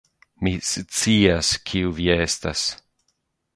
Mi scias, kiu vi estas.